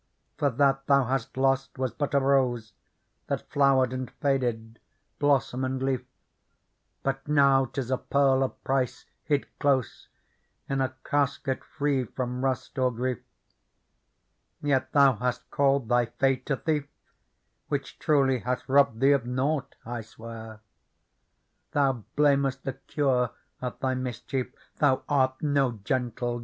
For that thou hast lost was but a rose That flowered and faded, blossom and leaf. But now 'tis a pearl of price, hid close In a casket free from rust or grief. Yet thou hast called thy fate a thief, Which truly hath robbed thee of nought, I swear ; Thou blamest the cure of thy mischief; Thou art no gentle jeweller."